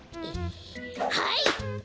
はい！